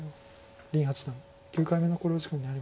林八段９回目の考慮時間に入りました。